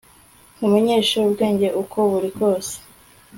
nkumenyeshe ubwenge uko buri kose